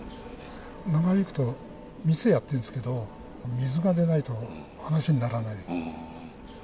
長引くと、店やってるんですけど、水が出ないと話にならない。